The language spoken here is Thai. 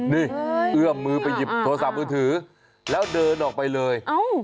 นี่เอื้อมมือไปหยิบโทรศัพท์มือถือแล้วเดินออกไปเลย